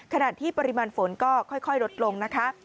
ขณะที่ปริมาณฝนก็ค่อยลดลงนะคะ